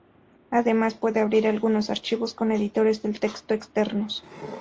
Además puede abrir algunos archivos con editores de texto externos.